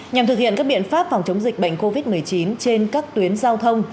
nhằm thực hiện các biện pháp phòng chống dịch bệnh covid một mươi chín trên các tuyến giao thông